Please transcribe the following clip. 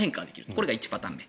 これが１パターン目。